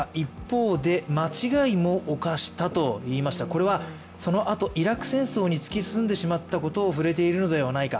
これはそのあと、イラク戦争に突き進んでしまったことを触れているのではないか。